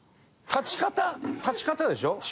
立ち方でしょ？